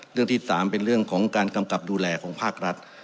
เรื่องที่๓เป็นเรื่องของการกำกับดูแลของภาครัฐ